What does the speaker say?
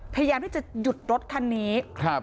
พยายามที่จะหยุดรถคันนี้ครับ